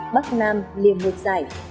bắc nam liềm ngược giải